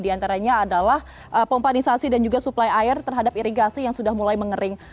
di antaranya adalah pompanisasi dan juga suplai air terhadap irigasi yang sudah mulai mengering